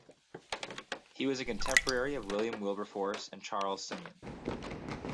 He was a contemporary of William Wilberforce and Charles Simeon.